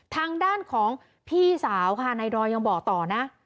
ทางด้านของพี่สาวค่ะนายดอยยังบอกต่อนะ